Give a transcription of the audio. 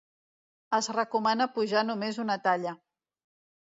Es recomana pujar només una talla.